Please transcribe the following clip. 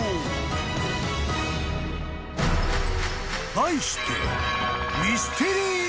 ［題して］